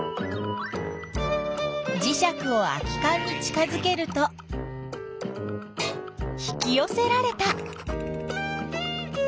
じしゃくを空きかんに近づけると引きよせられた。